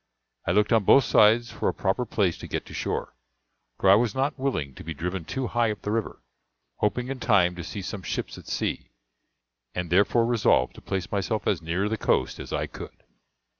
I looked on both sides for a proper place to get to shore, for I was not willing to be driven too high up the river: hoping in time to see some ships at sea, and therefore resolved to place myself as near the coast as I could.